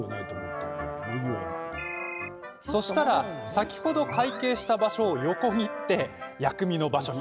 そうしたら先ほど会計した場所を横切って薬味の場所に。